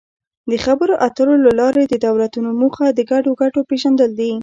د خبرو اترو له لارې د دولتونو موخه د ګډو ګټو پېژندل دي